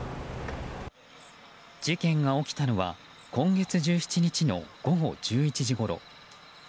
事件が起きたのは今月１７日の午後１１時ごろ。